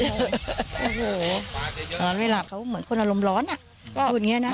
โอ้โหนอนไม่หลับเขาเหมือนคนอารมณ์ร้อนอ่ะก็อย่างนี้นะ